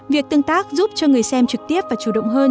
việc tương tác giúp cho người xem trực tiếp và chủ động hơn